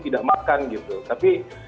tidak makan gitu tapi